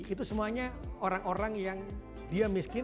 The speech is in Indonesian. itu semuanya orang orang yang dia miskin